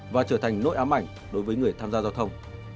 và trở thành nỗi ám ảnh đối với người tham gia giao thông